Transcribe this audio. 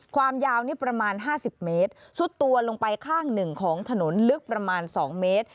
ความยาวนี่ประมาณ๕๐เมตรซุดตัวลงไปข้างหนึ่งของถนนลึกประมาณ๒เมตร